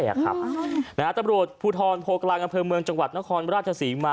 ตำรวจภูทรโพกลางอำเภอเมืองจังหวัดนครราชศรีมา